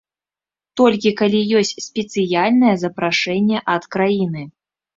Толькі калі ёсць спецыяльнае запрашэнне ад краіны.